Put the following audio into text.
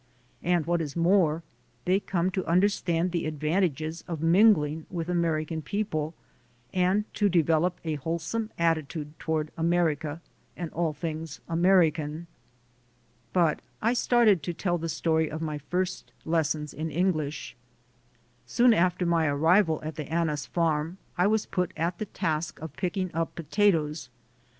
And what is more, they come to understand the advantages of mingling with American people and to develop a wholesome attitude toward America and all things American. But I started to tell the story of my first lessons in English. Soon after my arrival at the Annis I GO TO JAIL 109 farm, I was put at the task of picking up potatoes.